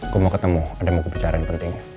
gue mau ketemu ada yang mau gue bicara di perting